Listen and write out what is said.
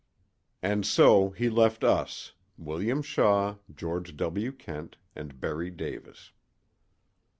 "And so he left us—William Shaw, George W. Kent and Berry Davis.